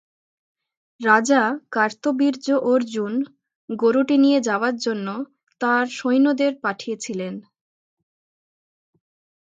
রাজা কার্তবীর্য অর্জুন গরুটি নিয়ে যাওয়ার জন্য তাঁর সৈন্যদের পাঠিয়েছিলেন।